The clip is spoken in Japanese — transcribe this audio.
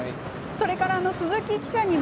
それから、鈴木記者にも。